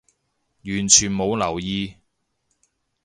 完全冇留意